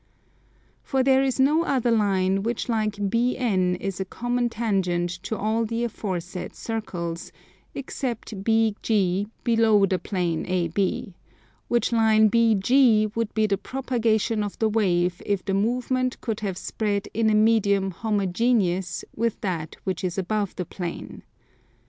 For there is no other line which like BN is a common tangent to all the aforesaid circles, except BG below the plane AB; which line BG would be the propagation of the wave if the movement could have spread in a medium homogeneous with that which is above the plane.